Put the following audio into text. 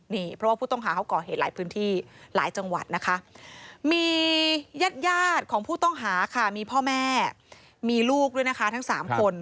นี่เพราะว่าผู้ต้องหาเขาก่อเหตุหลายพื้นที่หลายจังหวัดนะคะมีญาติยาดของผู้ต้องหาค่ะมีพ่อแม่มีลูกด้วยนะคะทั้ง๓คน